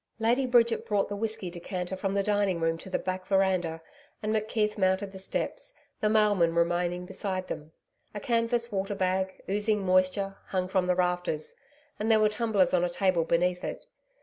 Lady Bridget brought the whisky decanter from the dining room to the back veranda, and McKeith mounted the steps, the mailman remaining beside them. A canvas water bag, oozing moisture, hung from the rafters, and there were tumblers on a table beneath it.